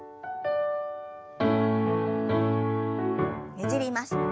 ねじります。